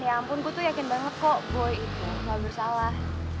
ya ampun gue tuh yakin banget kok boy itu gak bersalah